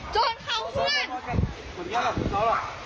โทษเข้าเพื่อนอ่ะ